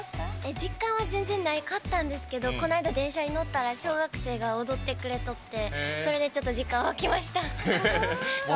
実感は全然なかったんですけどこの前、電車に乗ったら小学生が踊ってくれとってそれで、ちょっと実感湧きました。